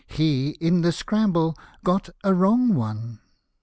He, in the scramble, got a wro7ig 07ie.